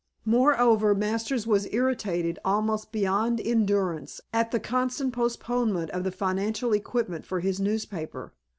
Moreover, Masters was irritated almost beyond endurance at the constant postponement of the financial equipment for his newspaper.